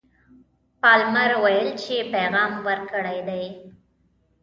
پالمر ویل چې پیغام ورکړی دی.